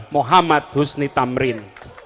muhammad husni tamrin